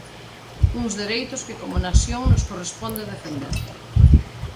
Uns dereitos que como nación nos corresponde defender.